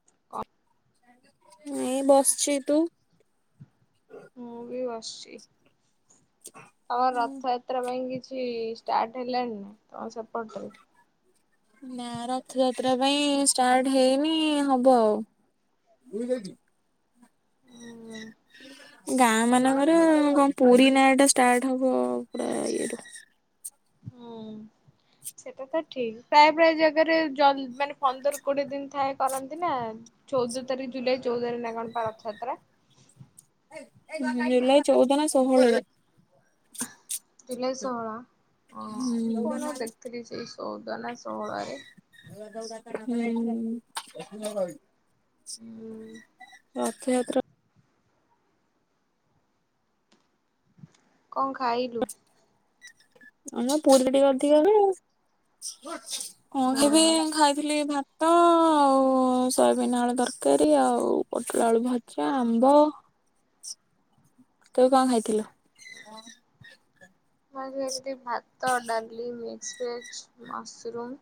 [unintelligible] ଏଇଁ ବସଛି ତୁ? ମୁଁ ବି ବସଛି। ଆର ରଥ ଏତ [inaudible] କିଛି ଷ୍ଟାର୍ ହେଲାଣି ନାାଇଁ ତମ ସେ [inaudible] ନା ରଥଯାତ୍ରା ପାଇଁ ଷ୍ଟାର୍ଟ ହେଇନି ହବ ଆଉ। ହୁଁ ଗାଁ ମାନଙ୍କର କଣ ପୁରୀ ନାଁ ଟା ଷ୍ଟାର୍ଟ ହବ ପୁରା ଇଏ ର ହୁଁ। ସେଟା ତ ଠିକ ପ୍ରାୟ ପ୍ରାୟ ଜାଗାରେ ମାନେ ପନ୍ଦର କୋଡିଏ ଦିନ ଥାଏ କରନ୍ତି ନା ଚଉଦ ତାରିଖ ଜୁଲାଇ ଚଉଦରେ ନା କଣ ପା ରଥଯାତ୍ରା ଜୁଲାଇ ଚଉଦ ନା ଷୋହଳରେ। ଜୁଲାଇ ସୋଳ ହଁ କଉ ଦିନ ହୁଁ। ଗୋଟେ ଦେଖିଥିଲି ଯେଇ ଚଉଦ ନା ଷୋହଳରେ। ହୁଁ। [unintelligible] ହୁଁ ରଥଯାତ୍ରା। କଂଗ୍ ଖାଇଲୁ। ଆ ନା ପୁରୁରୀ କେ ଟିକ କରିଦି ଓଁ ହୁଁ। ହେବେ ଖାଇଥିଲି ଭାତ ହ ଆଉ ସୟାବିନ ଆଳୁ ତରକାରୀ ଆଉ ପୋଟଲ ଆଳୁ ଭଜା ଆମ୍ବ। ତୁ କଣ ଖାଇଥିଲୁ। ହଜ୍ ଭାତ ଡାଲି ମିକ୍ସ ଭେଜ ମାସରୁମ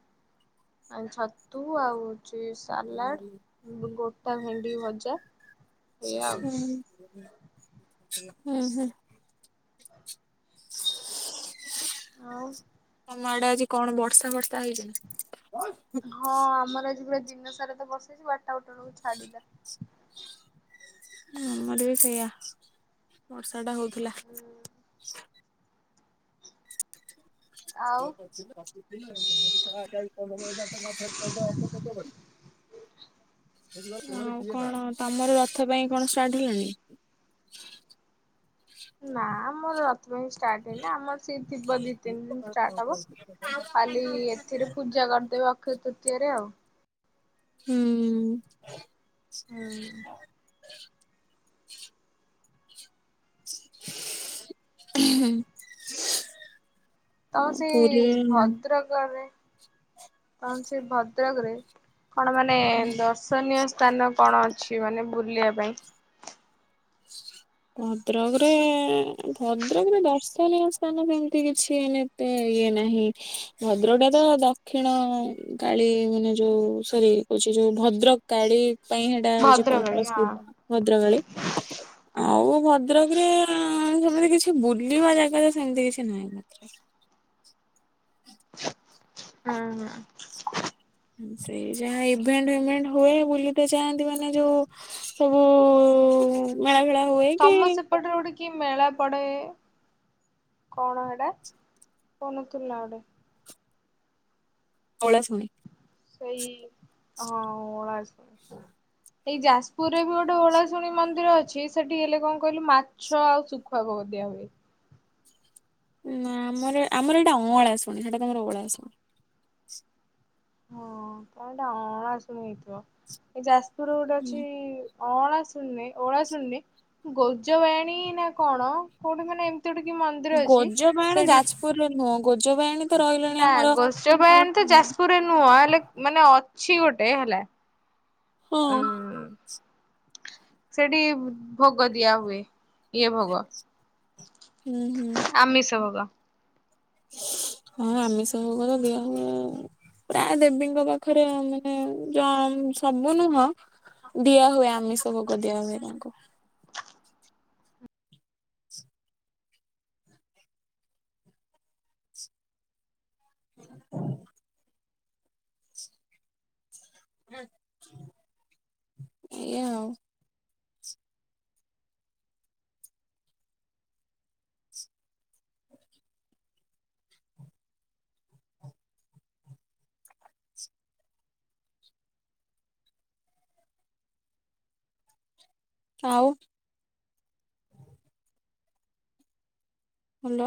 ଆଉ ଛତୁ ଆଉ ଚେ ସଲାଡ଼ [unintelligible] ପା ଭେଣ୍ଡି ଭଜଯା। ହୁଁ। ହୁଁ ହୁଁ। [inaudible] ଆଉ। ମ ଆଡେ ଆଜି କଣ ବର୍ଷା ବର୍ଷା ହେଇଛି ନା। ହଁ ଆମର ଆଜି ପା ଦିନ ସାରା ତ ବର୍ସେଇଛି ବାରଟା ଗୋଟେ ବେଳକୁ ଛାଡ଼ିଲା। ଆମର ବି ସେଇୟଆ ବର୍ଷା ଟା ହଉ ଥିଲା। ଆଉ ପନ୍ଦର ହଜାର ଟଙ୍କା [inaudible] ଆଉ କଣ ତମର ରଥ ପାଇଁ କଣ ଷ୍ଟାର୍ଟ ହେଲାଣି? ନା ମମର ସେଥିପାଇଁ ଷ୍ଟାର୍ଟ ହେଇଲେ ଆମ ସେ ଥିବ ଦି ତିନି ଦିନ ଷ୍ଟାର୍ଟ ହବ ଖାଲି ଏଥିରେ ପୂଜା କରିଦେବେ ଅକ୍ଷୟ ତୃତୀୟା ରେ ଆଉ। ହୁଁ। ହୁଁ [inaudible] [unintelligible] ହୁଁ। ତମ ସେଇ ଭଦ୍ରକ ରେ ତା ସେ ଭଦ୍ରକରେ କଣ ମାନେ ଦର୍ଶନୀୟ ସ୍ଥାନ କଣ ଅଛି? ଅଛି ମାନେ ବୁଲିବା ପାଇଁ ଭଦ୍ରକରେ ଭଦ୍ରକରେ ଦର୍ଶନୀୟ ସ୍ଥାନ ତ ଏମିତି କିଛି ଏ ଏତେ ଇଏ ନାହିଁ ଭଦ୍ରକ ଟା ତ ଦକ୍ଷିଣକାଳୀ ମାନେ ଯୋଉ ସରି କହୁଛି ଯୋଉ ଭଦ୍ରକକାଳୀ ପାଇଁ ସେଇଟା ହଉଛି ଭଦ୍ରକରେ ହଁ ପ୍ରସିଦ୍ଧ ଭଦ୍ରକାଳୀ। ହଉ ଭଦ୍ରକରେ ସେମିତି କିଛି ବୁଲିବା ଜାଗା ତ ସେମିତି କିଛି ନାହିଁ। ହଁ ହଁ। ସେଇ ଯାହା ଇଭେଣ୍ଟ ଫିଭେଣ୍ଟ ହୁଏ ବୁଲ ତେ ଯାଆନ୍ତି ମାନେ ଯୋଉ ସବୁ ମେଳା ଖେଳା ତମ ସେପଟରେ ଗୋଟେ କି କି ମେଳା ପଡ଼େ କଣ ହେଟା କଣଥିଲା ଗୋଟେ? [unintelligible] ସେଇ ହଁ। ହଁ। ଏଇ ଯାଜପୁରରେ ବି ଗୋଟେ ଓଳାଶୁଣି ମନ୍ଦିର ଅଛି ସେଠି ହେଲେ କଣ କହିଲୁ ମାଛ ଆଉ ଶୁଖୁଆ ଭୋଗ ଦିଆ ହୁଏ। ନା ଆମର ଆମର ଏଇଟା ଅଁଳାଶୁଣୀ ସେଇଟା ତମର ଅଳାଶୁଣୀ। ହଁ ଅଳାଶୁଣୀ ହେଇଥିବ। [unintelligible] ଅଁଳାଶୁଣୀ ନାହିଁ ଓଳାଶୁଣୀ ନାହିଁ ଗଜବାଣୀ ନା କଣ କୋଉଠି ମାନେ ଗୋଟେ କି ମନ୍ଦିର ଅଛି ଗଜପଣ ସେଠି ଯାଜପୁରରେ ନୁହଁ ଗୋଜବାୟାଣୀ ତ ରହିଲାଣି ନା ଆମର ଗଜବାୟାଣୀ ତ ହୁଁ ଯାଜପୁରରେ ନୁହଁ ହେଲେ ମାନେ ଛି ଗୋଟେ ହେଲା ହଁ ହୁଁ। ସେଠି ଭୋଗ ଦିଆ ହୁଏ ଇଏ ଭୋଗ ହୁଁ ହୁଁ ଆମିଷ ଭୋଗ। ହଁ ଆମିଷ ଭୋଗ ତ ଦିଆ ହୁଏ ପ୍ରାୟ ଦେବୀଙ୍କ ପାଖରେ ମାନେ ଯ ସବୁ ନୁହଁ ଦିଆ ହୁଏ ଆମିଷ ଭୋଗ ଦିଆ ହଏ ତାଙ୍କୁ। ଖାଲି ଏୟା ଆଉ। ଆଉ? ଭଲ